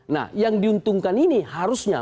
nah yang diuntungkan ini harusnya